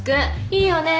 いいよね